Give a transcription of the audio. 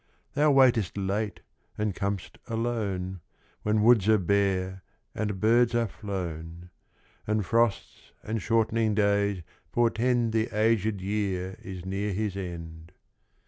Thou waitest late and com'st alone, When woods are bare and birds are flown, And frosts and shortening days portend The aged year is near his end.